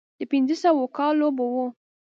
د پينځوسو کالو به و.